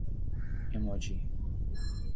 emoji